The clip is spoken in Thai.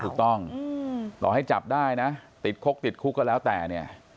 ถูกต้องต่อให้จับได้นะติดคุกติดคุกก็แล้วแต่เนี่ย